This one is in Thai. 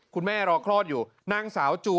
คุณแม่รอคลอดอยู่นั่งสาวจู